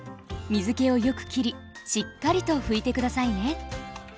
水けをよくきりしっかりと拭いて下さいね。